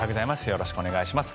よろしくお願いします。